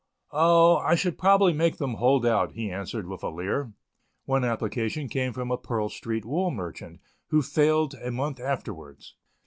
"O, I should probably make them hold out," he answered, with a leer. One application came from a Pearl street wool merchant, who failed a month afterwards.